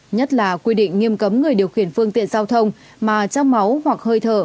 nhất là quy định nghiêm cấm người điều khiển phương tiện giao thông mà trong máu hoặc hơi thở